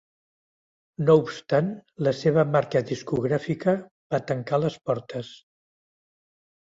No obstant la seva marca discogràfica va tancar les portes.